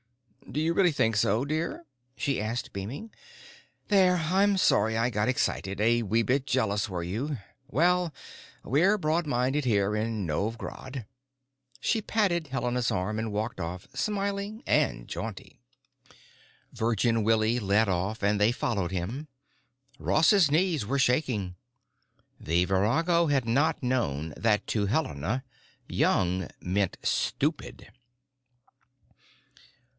"Did you really think so, dear?" she asked, beaming. "There, I'm sorry I got excited. A wee bit jealous, were you? Well, we're broad minded here in Novj Grad." She patted Helena's arm and walked off, smiling and jaunty. Virgin Willie led off and they followed him. Ross's knees were shaky. The virago had not known that to Helena "young" meant "stupid."